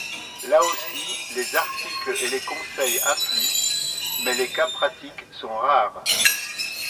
Là aussi les articles et les conseils affuent Mais les cas pratiques sont rares.